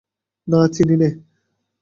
না চিনি নে।